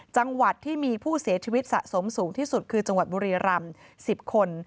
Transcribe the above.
จังหวัดที่มีผู้เสียชีวิตสะสมสูงที่สุดคือจังหวัดบุรีรำ๑๐คน